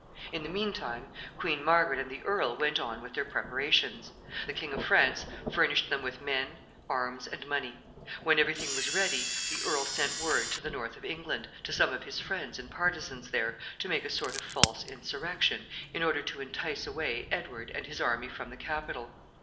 In the mean time, Queen Margaret and the earl went on with their preparations. The King of France furnished them with men, arms, and money. When every thing was ready, the earl sent word to the north of England, to some of his friends and partisans there, to make a sort of false insurrection, in order to entice away Edward and his army from the capital.